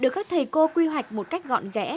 được các thầy cô quy hoạch một cách gọn ghẽ